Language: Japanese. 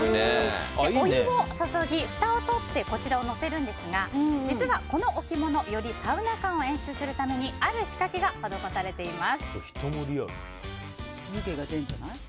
お湯を注ぎ、ふたを取ってこちらを乗せるんですが実は、この置物よりサウナ感を演出するために人もリアル。